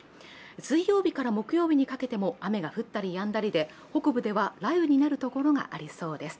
水曜日から木曜日にかけても雨が降ったりやんだりで北部では雷雨になるところがありそうです。